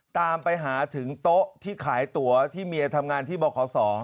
ตามไปหาถึงโต๊ะที่ขายตั๋วที่เมียทำงานที่บข